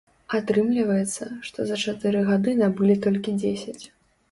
Атрымліваецца, што за чатыры гады набылі толькі дзесяць.